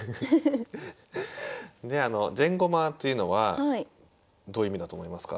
であの「全駒」というのはどういう意味だと思いますか？